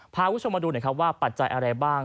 พาคุณผู้ชมมาดูว่าปัจจัยอะไรบ้าง